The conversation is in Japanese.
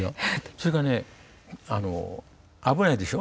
それからね危ないでしょ